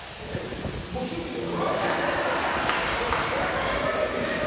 ご祝儀だよ？